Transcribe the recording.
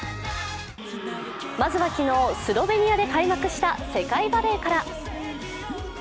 まずは昨日、スロベニアで開幕した世界バレーから。